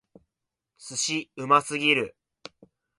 寿司！うますぎる！